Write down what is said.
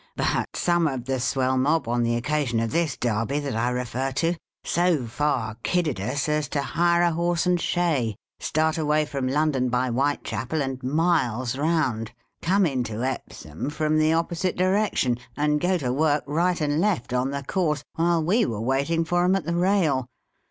But some of the Swell Mob, on the occasion of this Derby that I refer to, so far kiddied us as to hire a horse and shay ; start away from London by Whitechapel, and miles round ; come into Epsom from the opposite direction ; and go to work, right and left, on the course, while we were waiting for 'em at the Bail.